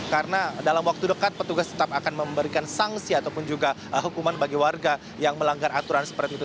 karena dalam waktu dekat petugas tetap akan memberikan sanksi ataupun juga hukuman bagi warga yang melanggar aturan seperti itu